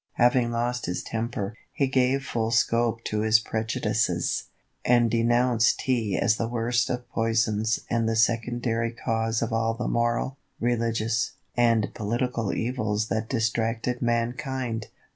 Having lost his temper, he gave full scope to his prejudices, and denounced Tea as the worst of poisons and the secondary cause of all the moral, religious, and political evils that distracted mankind.